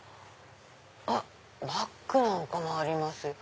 あっバッグなんかもありますよ。